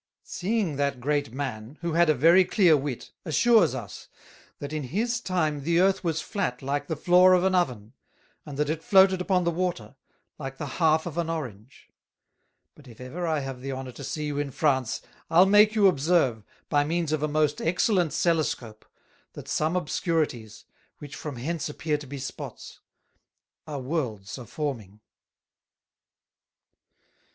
Seeing that great Man, who had a very clear Wit, assures us, That in his time the Earth was flat like the floor of an Oven, and that it floated upon the Water, like the half of an Orange: But if ever I have the honour to see you in France, I'll make you observe, by means of a most excellent Celescope, that some Obscurities, which from hence appear to be Spots, are Worlds a forming."